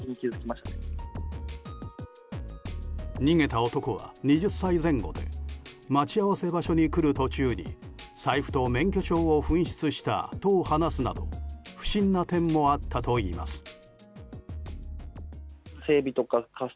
逃げた男は２０歳前後で待ち合わせ場所に来る途中に財布と免許証を紛失したと話すなど不審な点もあったといいます。